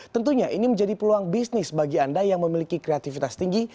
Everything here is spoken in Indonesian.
tentunya ini menjadi peluang bisnis bagi anda yang memiliki kreativitas tinggi